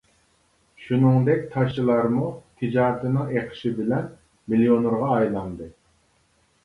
شۇنىڭدەك تاشچىلارمۇ تىجارىتىنىڭ ئېقىشى بىلەن مىليونېرغا ئايلاندى.